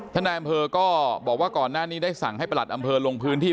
นายอำเภอก็บอกว่าก่อนหน้านี้ได้สั่งให้ประหลัดอำเภอลงพื้นที่